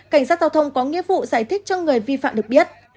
cảnh sát giao thông có nghĩa vụ giải thích cho người vi phạm được biết